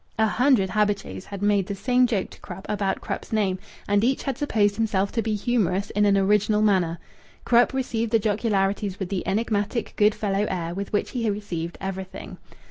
A hundred habitué's had made the same joke to Krupp about Krupp's name, and each had supposed himself to be humorous in an original manner. Krupp received the jocularities with the enigmatic good fellow air with which he received everything.